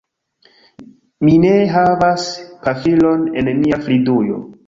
Mi ne havas pafilon en mia fridujo